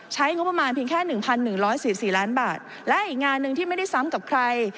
ใช้งบประมาณเพียงแค่๑๑๔๔ล้านบาทและอีกงานหนึ่งที่ไม่ได้ซ้ำกับใคร